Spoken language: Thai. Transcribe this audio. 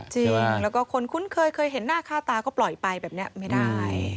จริงแล้วก็คนคุ้นเคยเคยเห็นหน้าค่าตาก็ปล่อยไปแบบนี้ไม่ได้